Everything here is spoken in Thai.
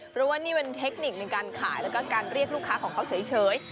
เพราะว่านี่เป็นเทคนิคในการขายแล้วก็การเรียกลูกค้าของเขาเฉย